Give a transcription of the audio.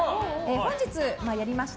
本日、やりました